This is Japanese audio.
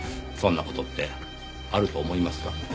そんな事ってあると思いますか？